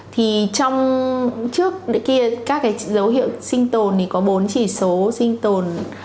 thì trong trước kia các cái dấu hiệu sinh tồn thì có bốn chỉ số sinh tồn